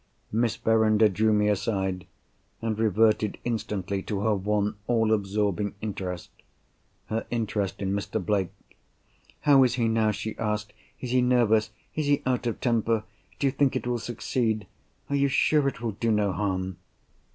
Miss Verinder drew me aside, and reverted instantly to her one all absorbing interest—her interest in Mr. Blake. "How is he now?" she asked. "Is he nervous? is he out of temper? Do you think it will succeed? Are you sure it will do no harm?"